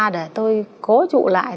để tôi cố trụ lại